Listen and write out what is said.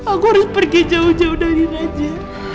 aku harus pergi jauh jauh dari raja